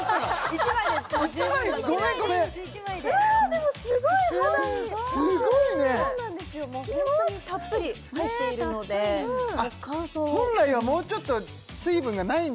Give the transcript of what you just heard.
もうホントにたっぷり入っているので本来はもうちょっと水分がないんだ